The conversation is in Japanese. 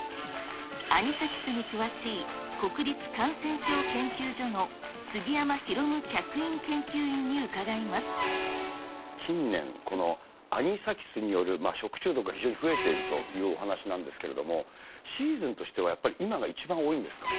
アニサキスに詳しい国立感染症研究所の杉山広客員研究員に伺いま近年、このアニサキスによる食中毒が非常に増えているというお話なんですけれども、シーズンとしてはやっぱり今が一番多いんですか？